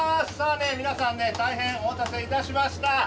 皆さん大変お待たせをいたしました。